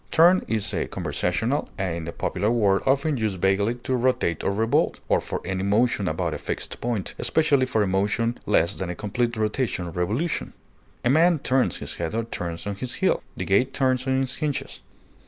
Turn is a conversational and popular word often used vaguely for rotate or revolve, or for any motion about a fixed point, especially for a motion less than a complete "rotation" or "revolution;" a man turns his head or turns on his heel; the gate turns on its hinges.